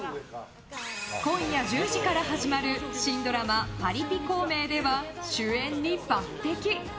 今夜１０時から始まる新ドラマ「パリピ孔明」では主演に抜擢！